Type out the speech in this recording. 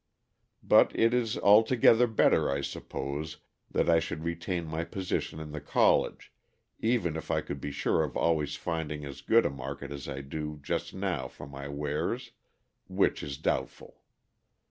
But it is altogether better, I suppose, that I should retain my position in the college, even if I could be sure of always finding as good a market as I do just now for my wares, which is doubtful.